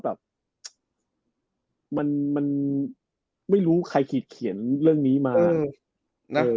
ครับเรื่องนี้ดีมาก